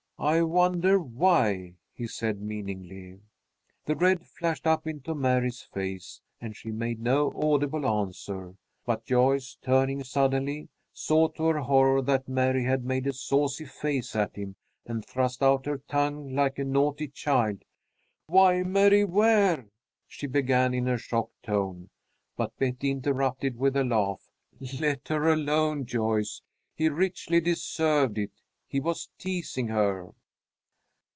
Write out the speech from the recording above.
"I wonder why," he said, meaningly. The red flashed up into Mary's face and she made no audible answer, but Joyce, turning suddenly, saw to her horror that Mary had made a saucy face at him and thrust out her tongue like a naughty child. "Why, Mary Ware!" she began, in a shocked tone, but Betty interrupted with a laugh. "Let her alone, Joyce; he richly deserved it. He was teasing her."